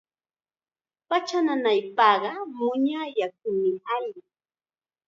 Pacha nanaypaqqa muña yakum alli.